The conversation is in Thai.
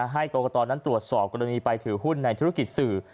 ให้กรกตนั้นตรวจสอบกรณีไปถือหุ้นในธุรกิจสื่อ